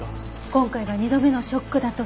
今回が２度目のショックだとすれば